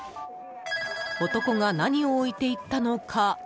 男が何を置いていったのか？